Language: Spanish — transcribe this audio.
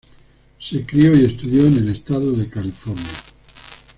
Se crio y estudió en el estado de California.